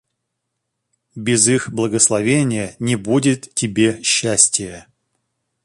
Без их благословения не будет тебе счастия.